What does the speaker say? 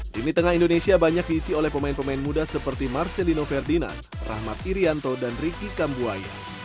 tim di tengah indonesia banyak diisi oleh pemain pemain muda seperti marcelino ferdinand rahmat irianto dan ricky kambuaya